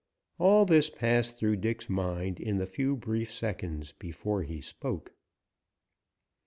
All this passed through Dick's mind in the few brief seconds before he spoke.